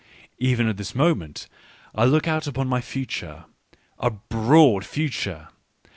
Even at this moment I look out upon my future — a broad future